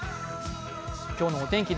今日のお天気